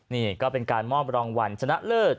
นี่ก็เป็นการมอบรางวัลชนะเลิศ